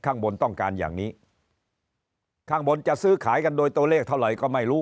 ข้างบนต้องการอย่างนี้ข้างบนจะซื้อขายกันโดยตัวเลขเท่าไหร่ก็ไม่รู้